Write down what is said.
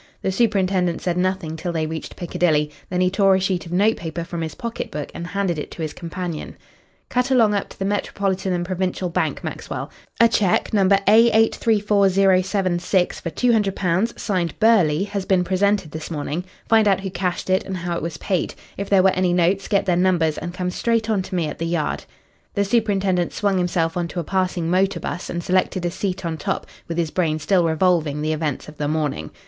The superintendent said nothing till they reached Piccadilly. Then he tore a sheet of note paper from his pocket book and handed it to his companion. "Cut along up to the Metropolitan and Provincial Bank, Maxwell. A cheque, No. A834,076 for £200, signed Burghley, has been presented this morning. Find out who cashed it and how it was paid. If there were any notes, get their numbers and come straight on to me at the Yard." The superintendent swung himself on to a passing motor bus and selected a seat on top, with his brain still revolving the events of the morning.